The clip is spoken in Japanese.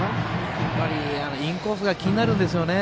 やはりインコースが気になるんですよね。